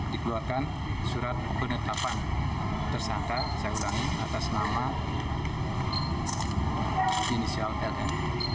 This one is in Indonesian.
dikeluarkan surat penetapan tersangka saya ulangi atas nama inisial ln